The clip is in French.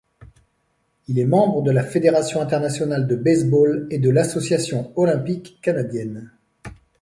Il est membre de la Fédération internationale de baseball et de l'Association olympique canadienne.